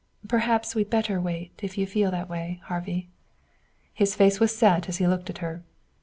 "Perhaps we'd better wait, if you feel that way, Harvey." His face was set as he looked at her.